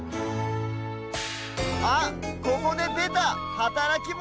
あっここででたはたらきモノ！